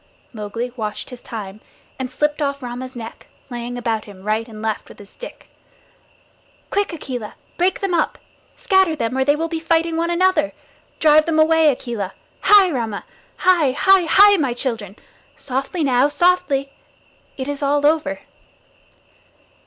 Mowgli watched his time, and slipped off Rama's neck, laying about him right and left with his stick. "Quick, Akela! Break them up. Scatter them, or they will be fighting one another. Drive them away, Akela. Hai, Rama! Hai, hai, hai! my children. Softly now, softly! It is all over."